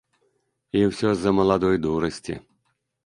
І ўсё з-за маладой дурасці.